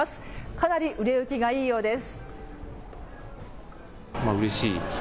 かなり売れ行きがいいようです。